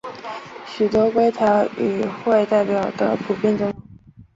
许多规条有与会代表的普遍赞同。